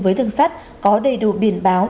với đường sắt có đầy đủ biển báo